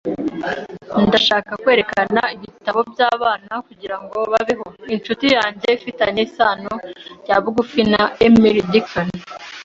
Ndashaka kwerekana ibitabo byabana kugirango babeho. Inshuti yanjye ifitanye isano rya bugufi na Emily Dickinson.